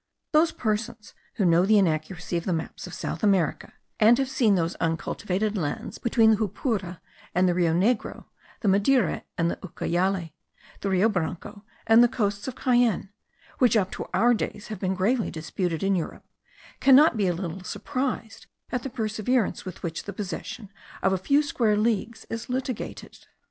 Those persons who know the inaccuracy of the maps of South America, and have seen those uncultivated lands between the Jupura and the Rio Negro, the Madeira and the Ucayale, the Rio Branco and the coasts of Cayenne, which up to our own days have been gravely disputed in Europe, can be not a little surprised at the perseverance with which the possession of a few square leagues is litigated.